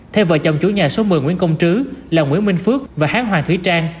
thay vợ chồng chủ nhà số một mươi nguyễn công trứ là nguyễn minh phước và hán hoàng thúy trang